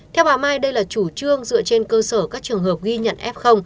theo bà mai đây là chủ trương dựa trên cơ sở các trường hợp ghi nhận f